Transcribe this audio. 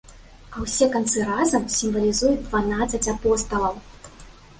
А ўсе канцы разам сімвалізуюць дванаццаць апосталаў.